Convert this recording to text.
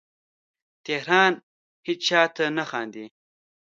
تهران هیچا ته نه خاندې